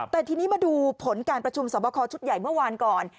แต่ทีนี้มาดูผลการประชุมสอบคอชุดใหญ่เมื่อวานก่อน